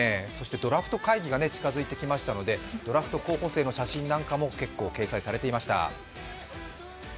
ドラフト会議が近づいてきましたのでドラフト候補生の写真なんかも結構、掲載されていました。